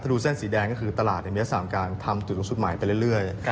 ถ้าดูเส้นสีแดงก็คือตลาดในเมียสามการทำจุดสูงสุดใหม่ไปเรื่อย